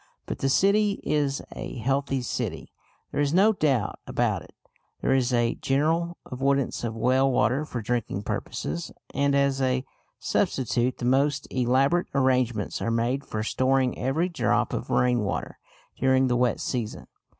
But the city is a healthy city; there is no doubt about that. There is a general avoidance of well water for drinking purposes, and as a substitute the most elaborate arrangements are made for storing every drop of rain water during the wet season.